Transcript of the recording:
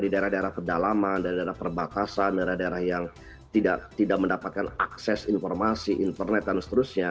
daerah daerah perbakasan daerah daerah yang tidak mendapatkan akses informasi internet dan seterusnya